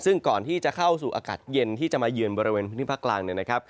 ซึ่งก่อนที่จะเข้าสู่อากาศเย็นที่จะมาเยือนบริเวณพื้นที่ภาคกลางเนี่ยนะครับ